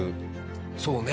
そうね。